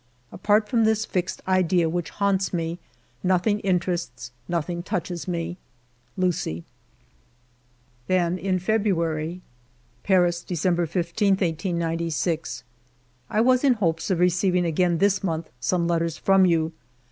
Apart from this fixed idea which haunts me, nothing interests, nothing touches me. ... Lucie.'* Then in February :— "Paris, December 15, 1896. " I was in hopes of receiving again this month some letters from you.